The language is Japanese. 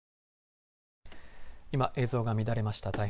今、映像が乱れました。